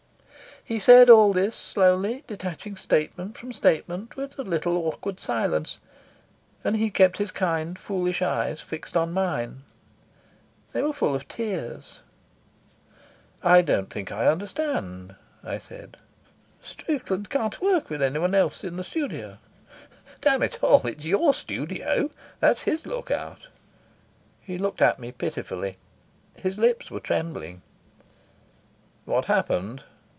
He said all this slowly, detaching statement from statement with a little awkward silence, and he kept his kind, foolish eyes fixed on mine. They were full of tears. "I don't think I understand," I said. "Strickland can't work with anyone else in the studio." "Damn it all, it's your studio. That's his lookout." He looked at me pitifully. His lips were trembling. "What happened?"